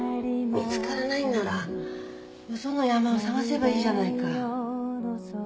見つからないならよその山を探せばいいじゃないか。